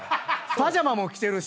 パジャマも着てるし。